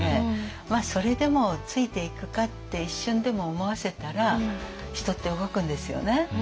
まあそれでもついていくかって一瞬でも思わせたら人って動くんですよね。